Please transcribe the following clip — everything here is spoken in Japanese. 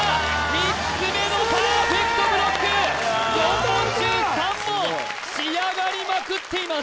３つ目のパーフェクトブロック４問中３問仕上がりまくっています